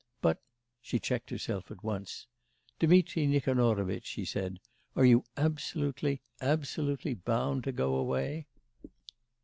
But ' she checked herself at once: 'Dmitri Nikanorovitch,' she said, 'are you absolutely, absolutely bound to go away?